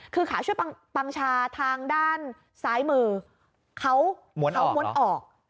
คือขาช่วยปังชาทางด้านซ้ายมือเขาม้วนออก